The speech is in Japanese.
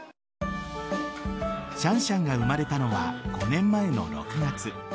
シャンシャンが生まれたのは５年前の６月。